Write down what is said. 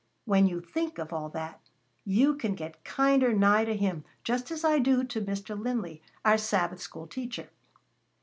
When you think of all that, you can get kinder nigh to him, just as I do to Mr. Linley, our Sabbath school teacher.